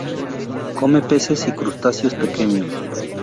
Come peces y crustáceos pequeños.